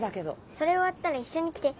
それ終わったら一緒に来て。